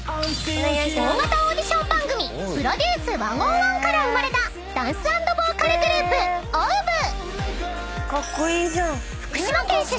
［大型オーディション番組『ＰＲＯＤＵＣＥ１０１』から生まれたダンスアンドボーカルグループ］